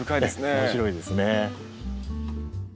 面白いですね。